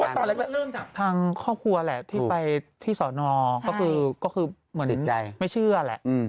เพราะว่าตอนนี้เรื่องจากทางครอบครัวแหละที่ไปที่สอนอนธรรมก็คือเหมือนไม่เชื่อแหละ